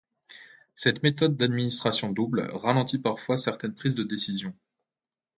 Cette méthode d'administration double ralentit parfois certaines prises de décision.